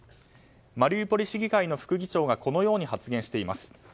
マリウポリ市議会の副議長がこのように発言しています。